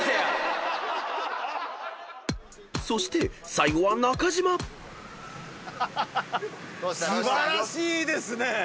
［そして最後は中島］素晴らしいですね！